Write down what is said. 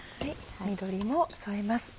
緑も添えます。